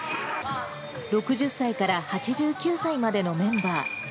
６０歳から８９歳までのメンバー。